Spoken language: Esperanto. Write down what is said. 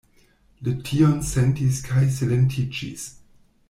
Li tion sentis kaj silentiĝis.